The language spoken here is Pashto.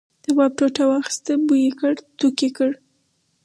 تواب ټوټه واخیسته بوی یې کړ توک یې.